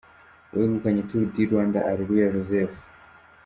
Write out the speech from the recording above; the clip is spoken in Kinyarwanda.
Uwegukanye Tour du Rwanda: Areruya Joseph.